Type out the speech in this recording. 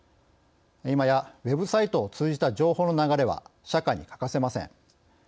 今やウェブサイトを通じた情報の流れは社会に欠かせません。